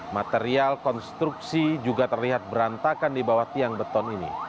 material konstruksi juga terlihat berantakan di bawah tiang beton ini